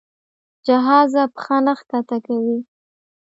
جهازه پښه نه ښکته کوي.